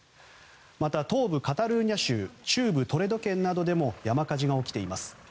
また東部カタルーニャ州中部トレド県などでも山火事が起きています。